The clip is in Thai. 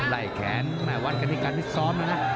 ไล่แขนแม่วัดกันที่การพิษซ้อมแล้วนะ